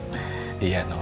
makannya banyak no